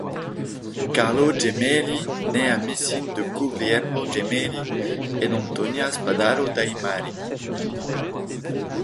Carlo Gemelli naît à Messine de Guglielmo Gemelli et d'Antonia Spadaro dei Mari.